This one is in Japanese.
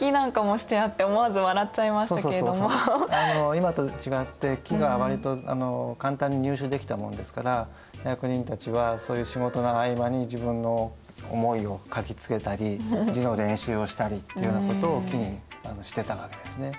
今と違って木が割と簡単に入手できたもんですから役人たちはそういう仕事の合間に自分の思いを書きつけたり字の練習をしたりっていうようなことを木にしてたわけですね。